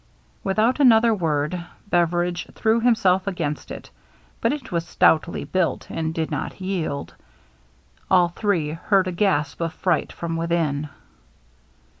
Without another word Beveridge threw himself against it; but it was stoutly buUt and did not yield. All three heard a gasp of fright from within.